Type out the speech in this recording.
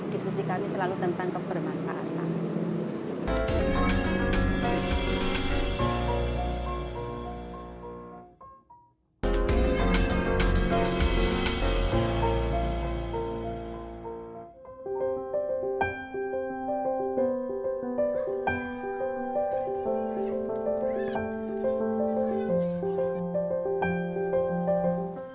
diskusi kami selalu tentang kebermanfaatan